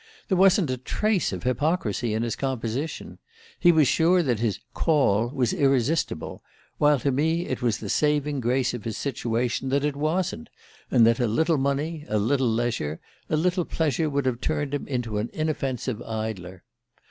There wasn't a trace of hypocrisy in his composition. He was sure that his 'call' was irresistible, while to me it was the saving grace of his situation that it wasn't, and that a little money, a little leisure, a little pleasure would have turned him into an inoffensive idler.